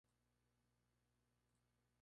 Su nombre en mongol quiere decir "hierro bendito".